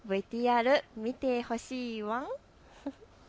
ＶＴＲ見てほしいワン！